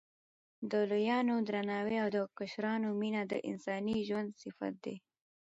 د لویانو درناوی او د کشرانو مینه د انساني ژوند صفت دی.